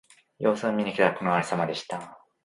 様子を見に来たら、このありさまでした。